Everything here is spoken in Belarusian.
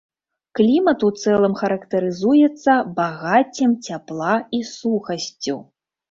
Клімат у цэлым характарызуецца багаццем цяпла і сухасцю.